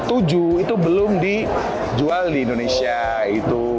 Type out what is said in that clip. tujuh itu belum dijual di indonesia itu